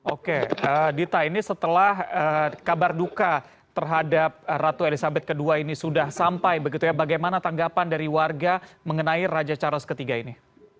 oke dita ini setelah kabar duka terhadap ratu elizabeth ii ini sudah sampai begitu ya bagaimana tanggapan dari warga mengenai raja charles iii ini